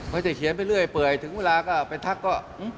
เขาจะเขียนไปเรื่อยถึงเวลาก็ไปทักก็